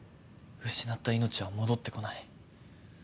失った命は戻ってこない。